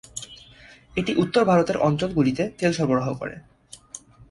এটি উত্তর ভারতের অঞ্চল গুলিতে তেল সরবরাহ করে।